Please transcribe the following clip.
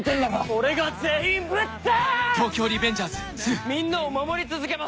「俺が全員ぶっ倒す！」